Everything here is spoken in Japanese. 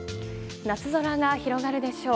夏空が広がるでしょう。